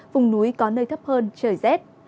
vùng núi có nơi thấp hơn trời rét